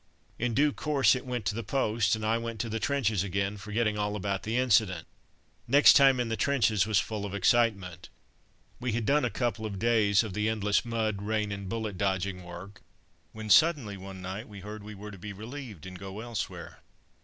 In due course it went to the post, and I went to the trenches again, forgetting all about the incident. Next time in the trenches was full of excitement. We had done a couple of days of the endless mud, rain, and bullet dodging work when suddenly one night we heard we were to be relieved and go elsewhere.